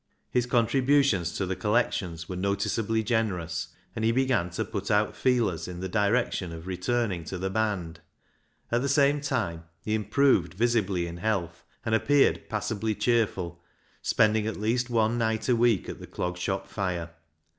His contributions to the collections were noticeably generous, and he began to put out feelers in the direction of returning to the band. At the same time he improved visibly in health, and appeared passably cheerful, spending at least one night a week at the Clog Shop fire.